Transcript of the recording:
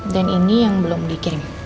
dan ini yang belum dikirim